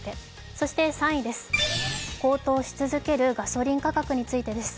そして３位は高騰し続けるガソリン価格についてです。